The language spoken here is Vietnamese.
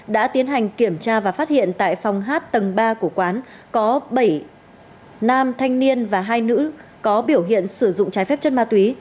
đã tiến hành kiểm tra và phát hiện tại phòng hát tầng ba của quán có bảy nam thanh niên và hai nữ có biểu hiện sử dụng trái phép chất ma túy